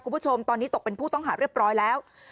คุณผู้ชมตอนนี้ตกเป็นผู้ต้องหาเรียบร้อยแล้ว